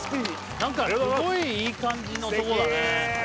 何かすごいいい感じのとこだね素敵！